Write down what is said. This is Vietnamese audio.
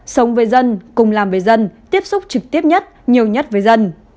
sống với dân cùng làm với dân tiếp xúc trực tiếp nhất nhiều nhất với dân